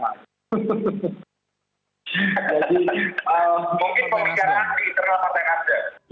mungkin pembicaraan tidak terlalu penting saja